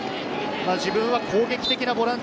自分は攻撃的なボランチ。